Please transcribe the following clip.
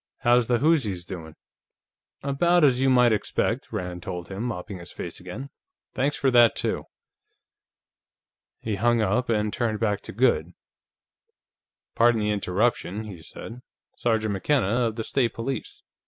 "How's the whoozis doing?" "About as you might expect," Rand told him, mopping his face again. "Thanks for that, too." He hung up and turned back to Goode. "Pardon the interruption," he said. "Sergeant McKenna, of the State Police.